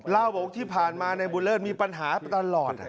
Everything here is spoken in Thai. เล่าบอกว่าที่ผ่านมานายบุญเลิศมีปัญหาตลอด